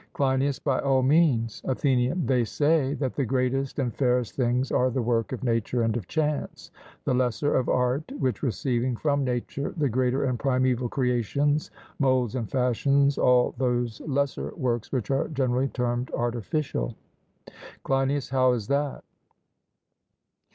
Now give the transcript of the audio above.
CLEINIAS: By all means. ATHENIAN: They say that the greatest and fairest things are the work of nature and of chance, the lesser of art, which, receiving from nature the greater and primeval creations, moulds and fashions all those lesser works which are generally termed artificial. CLEINIAS: How is that?